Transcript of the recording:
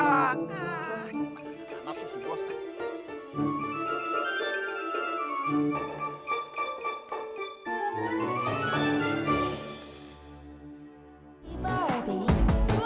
nah susu bos